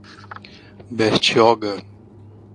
Bertioga